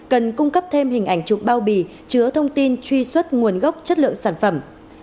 cần cung cấp thêm hình ảnh chụp bao bì chứa thông tin truy xuất nguồn gốc chất lượng sản phẩm